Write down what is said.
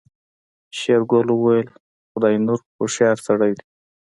شېرګل وويل خداينور هوښيار سړی دی.